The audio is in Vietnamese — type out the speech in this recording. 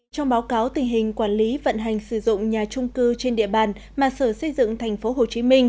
trong báo cáo tình hình quản lý vận hành sử dụng nhà trung cư trên địa bàn mà sở xây dựng tp hcm